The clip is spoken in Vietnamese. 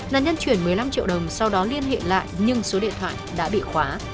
nạn nhân chuyển một mươi năm triệu đồng sau đó liên hệ lại nhưng số điện thoại đã bị khóa